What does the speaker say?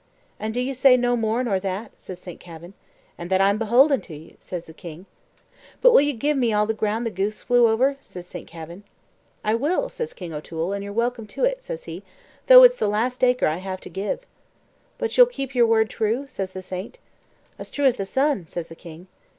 "And do you say no more nor that?" says Saint Kavin. "And that I'm beholden to you," says the king. "But will you gi'e me all the ground the goose flew over?" says Saint Kavin. "I will," says King O'Toole, "and you're welcome to it," says he, "though it's the last acre I have to give." "But you'll keep your word true?" says the saint. "As true as the sun," says the king.